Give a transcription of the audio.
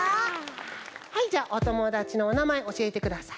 はいじゃあおともだちのおなまえおしえてください。